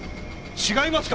違いますか！？